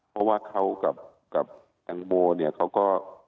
เพราะว่าเขากับดังโมเขาก็